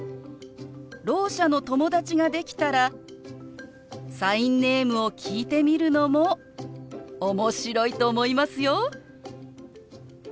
ろう者の友達ができたらサインネームを聞いてみるのも面白いと思いますよ。